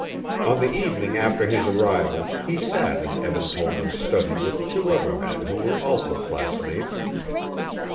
On the evening after his arrival he sat in Eben Tollman's study with two other men who were also classmates.